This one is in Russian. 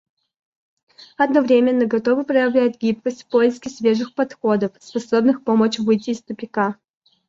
Одновременно, готовы проявлять гибкость в поиске свежих подходов, способных помочь выйти из тупика.